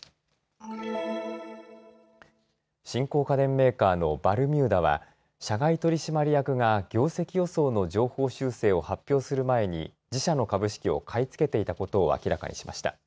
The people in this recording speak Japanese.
新興家電メーカーのバルミューダは社外取締役が業績予想の上方修正を発表する前に自社の株式を買い付けていたことを明らかにしました。